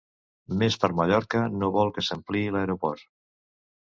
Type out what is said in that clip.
Més per Mallorca no vol que s'ampliï l'aeroport